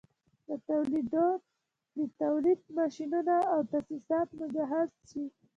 د تولید ماشینونه او تاسیسات مجهز شي